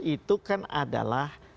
itu kan adalah